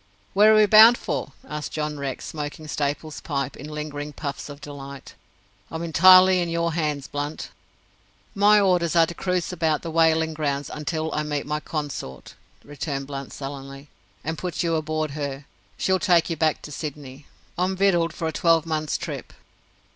"Where are we bound for?" asked John Rex, smoking Staples's pipe in lingering puffs of delight. "I'm entirely in your hands, Blunt." "My orders are to cruise about the whaling grounds until I meet my consort," returned Blunt sullenly, "and put you aboard her. She'll take you back to Sydney. I'm victualled for a twelve months' trip."